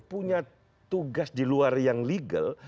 punya tugas di luar yang legal